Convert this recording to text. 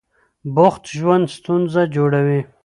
بوخت ژوند ستونزه جوړوي.